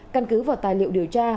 căn cứ vào tài liệu điều tra